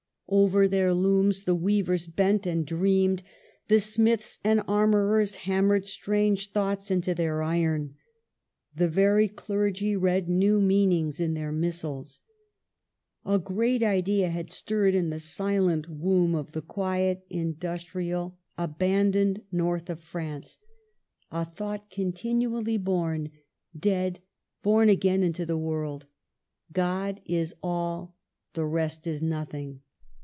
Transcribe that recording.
Over their looms the weavers bent and dreamed ; the smiths and ar morers hammered strange thoughts into their iron ; the very clergy read new meanings in their missals. A great idea had stirred in the silent womb of the quiet, industrial, abandoned 46 MARGARET OF ANGOULEME. North of France, — a thought continually born, dead, born again into the world : God is all, the rest is nothing.